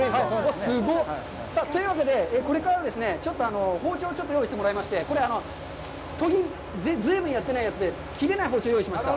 すごい！というわけで、これから包丁をちょっと用意してもらいまして、これ、研ぎ、随分やってないやつで切れない包丁を用意しました。